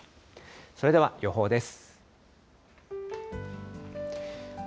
それでは予報です。